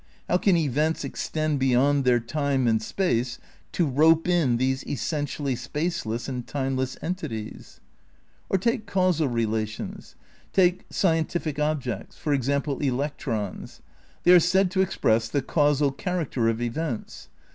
How can events extend beyond their time and space to rope in these essentially spaceless and timeless entities ? Or take causal relations. Take, scientific objects ; for example, electrons. They are said to "express the causal character of events."